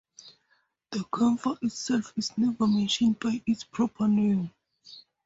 The camphor itself is never mentioned by its proper name.